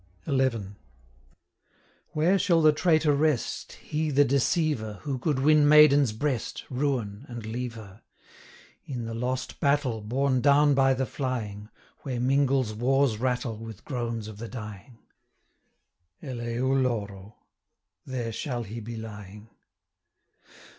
165 XI. Where shall the traitor rest, He, the deceiver, Who could win maiden's breast, Ruin, and leave her? In the lost battle, 170 Borne down by the flying, Where mingles war's rattle With groans of the dying. CHORUS. Eleu loro, &c. There shall he be lying.